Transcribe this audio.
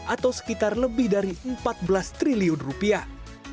atau sekitar lebih dari empat belas triliun rupiah